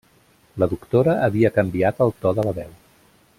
La doctora havia canviat el to de la veu.